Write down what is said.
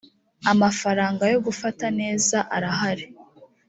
amafaranga yo gufata neza arahari